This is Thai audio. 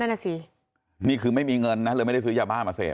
นั่นน่ะสินี่คือไม่มีเงินนะเลยไม่ได้ซื้อยาบ้ามาเสพ